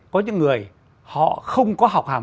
có những người họ không có học hàng